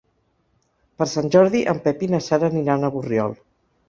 Per Sant Jordi en Pep i na Sara aniran a Borriol.